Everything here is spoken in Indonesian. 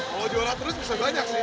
kalau juara terus bisa banyak sih